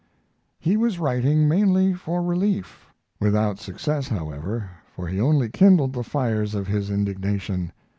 ] he was writing mainly for relief without success, however, for he only kindled the fires of his indignation.